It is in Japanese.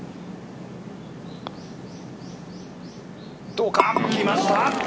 どうか、きました。